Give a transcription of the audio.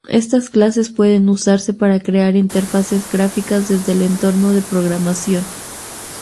Estas clases pueden usarse para crear interfaces gráficas desde el entorno de programación.